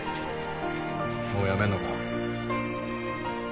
もうやめんのか？